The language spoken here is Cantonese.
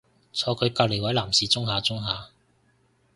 坐佢隔離位男士舂下舂下